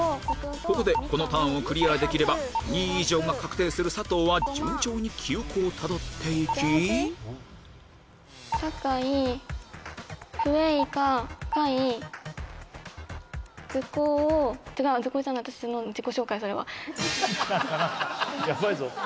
ここでこのターンをクリアできれば２位以上が確定する佐藤は順調に記憶をたどっていきなんだやばいぞ。